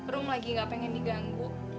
room lagi gak pengen diganggu